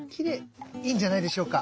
いいんじゃないでしょうか？